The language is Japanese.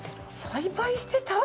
栽培してた！？